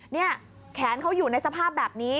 นี่แขนเขาอยู่ในสภาพแบบนี้